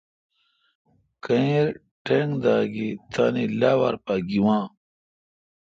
کییر ٹنگ داگی تانی لاوار پا گی واں۔